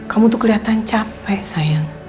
kamu tuh keliatan capek sayang